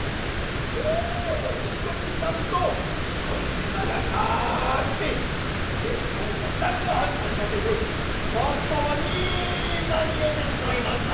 ちょうどよき時になると彦市まだかて太ェ声ば出しなはるもんだけんほれかっぱはみんな逃げてしまいますたい。